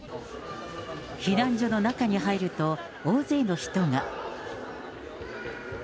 避難所の中に入ると、大勢の人が。